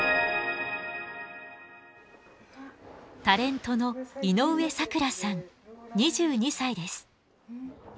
タレントの井上咲楽さん２２歳です。